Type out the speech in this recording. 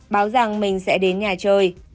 báo rằng mình sẽ đến nhà chơi